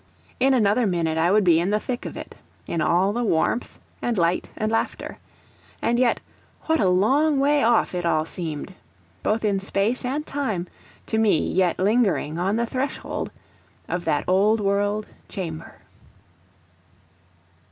In another minute I would be in the thick of it, in all the warmth and light and laughter. And yet what a long way off it all seemed, both in space and time, to me yet lingering on the threshold of that old world chamber!